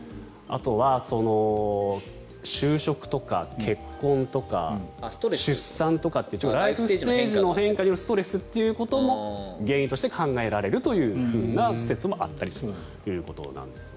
あとは就職とか結婚とか出産とかってライフステージの変化によるストレスということも原因として考えられるという説もあったりということです。